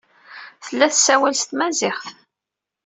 Tella tessawal s tmaziɣt.